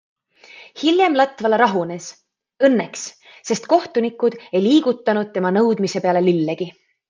Hiljem Latvala rahunes - õnneks, sest kohtunikud ei liigutanud tema nõudmise peale lillegi.